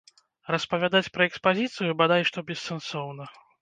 Распавядаць пра экспазіцыю бадай што бессэнсоўна.